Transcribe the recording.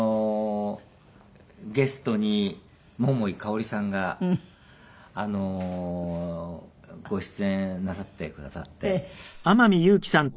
ゲストに桃井かおりさんがご出演なさってくださって。